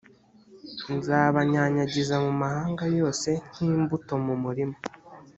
nzabanyanyagiza mu mahanga yose nk’imbuto mu murima